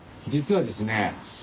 実はですね